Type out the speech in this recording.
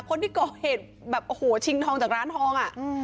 คนที่ก่อเหตุแบบโอ้โหชิงทองจากร้านทองอ่ะ